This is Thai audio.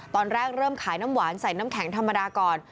ตอนแรกเริ่มขายน้ำหวานใส่น้ำแข็งธรรมดาก่อน